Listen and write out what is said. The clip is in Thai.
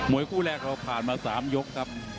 วยคู่แรกเราผ่านมา๓ยกครับ